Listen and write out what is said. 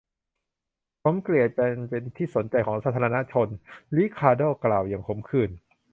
ผมเกลียดการเป็นที่สนใจของสาธารณะชน ริคาร์โด้กล่าวอย่างขมขื่น